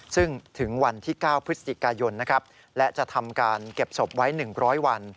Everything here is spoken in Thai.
ซึ่งถึงวันที่๙พฤศจิกายนนะครับและจะทำการเก็บศพไว้๑๐๐วัน